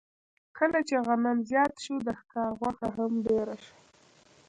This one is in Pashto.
کله چې غنم زیات شو، د ښکار غوښه هم ډېره شوه.